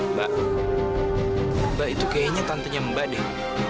mbak mbak itu kayaknya tantenya mbak deh